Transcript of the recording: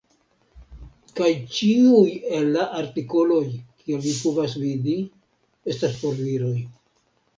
Kaj ĉiuj el la artikoloj, kiel vi povas vidi, estas por viroj.